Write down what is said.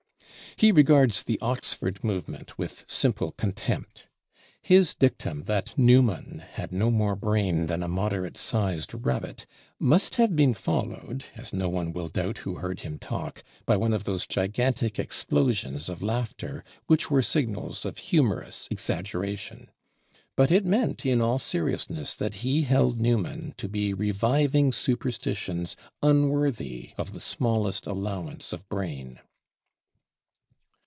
He regards the "Oxford movement" with simple contempt. His dictum that Newman had "no more brain than a moderate sized rabbit" must have been followed, as no one will doubt who heard him talk, by one of those gigantic explosions of laughter which were signals of humorous exaggeration. But it meant in all seriousness that he held Newman to be reviving superstitions unworthy of the smallest allowance of brain.